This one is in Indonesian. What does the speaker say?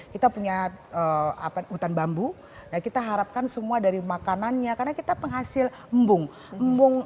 kita punya hutan bambu kita harapkan semua dari makanannya karena kita penghasil embung embung